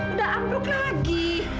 udah ampluk lagi